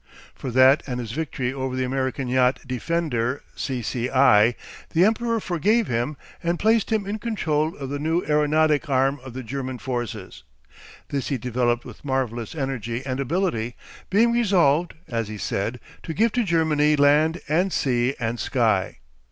For that and his victory over the American yacht Defender, C.C.I., the Emperor forgave him and placed him in control of the new aeronautic arm of the German forces. This he developed with marvellous energy and ability, being resolved, as he said, to give to Germany land and sea and sky.